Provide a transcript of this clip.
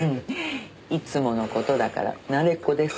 いつもの事だから慣れっこです。